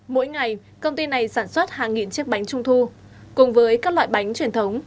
mỗi ngày công ty này sản xuất hàng nghìn chiếc bánh trung thu cùng với các loại bánh truyền thống